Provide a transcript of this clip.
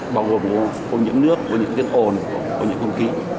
bao gồm ô nhiễm nước ô nhiễm ồn ô nhiễm không khí